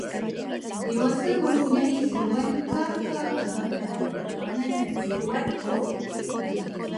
Dewasa mempunyai seruan ka-ka-ka dalam penerbangan dan seruan ko